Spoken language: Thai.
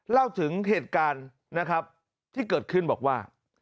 เล่าถึงเหตุการณ์นะครับที่เกิดขึ้นบอกว่า